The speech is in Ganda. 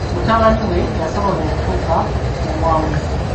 Mutabani we yasobola okutuuka ku buwanguzi.